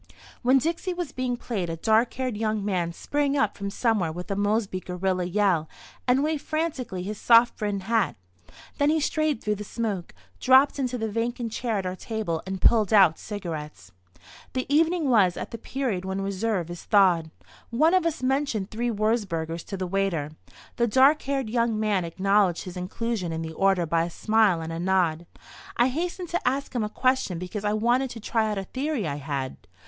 When "Dixie" was being played a dark haired young man sprang up from somewhere with a Mosby guerrilla yell and waved frantically his soft brimmed hat. Then he strayed through the smoke, dropped into the vacant chair at our table and pulled out cigarettes. The evening was at the period when reserve is thawed. One of us mentioned three Würzburgers to the waiter; the dark haired young man acknowledged his inclusion in the order by a smile and a nod. I hastened to ask him a question because I wanted to try out a theory I had.